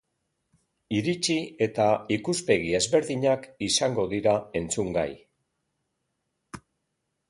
Iritzi eta ikuspegi ezberdinak izango dira entzungai.